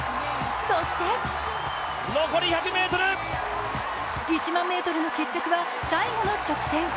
そして１００００ｍの決着は最後の直線。